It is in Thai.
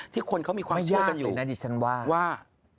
ที่คนเขามีความโชคกันอยู่ว่ามันยากเลยนะดิฉันว่า